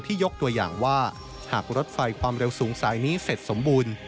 ยกตัวอย่างว่าหากรถไฟความเร็วสูงสายนี้เสร็จสมบูรณ์